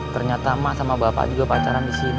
ternyata emak sama bapak juga pacaran disini